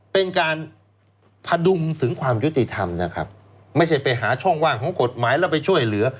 เป็นการพดุงถึงความยุติธรรมนะครับไม่ใช่ไปหาช่องว่างของกฎหมายแล้วไปช่วยเหลือ